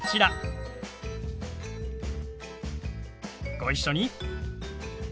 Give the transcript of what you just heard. ご一緒に。